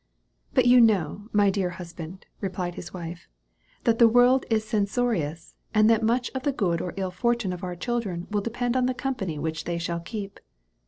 "But you know, my dear husband," replied his wife, "that the world is censorious, and that much of the good or ill fortune of our children will depend on the company which they shall keep.